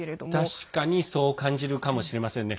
確かにそう感じるかもしれませんね。